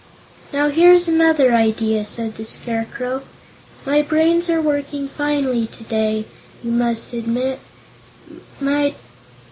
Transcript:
"Now, here's another idea," said the Scarecrow. "My brains are working finely today, you must admit.